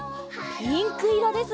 ピンクいろですね。